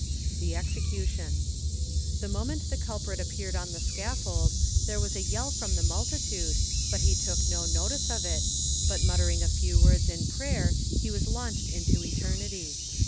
THE EXECUTION. The moment the culprit appeared on the scaffold, there was a yell from the multitude, but he took no notice of it, but muttering a few words in prayer, he was launched into eternity.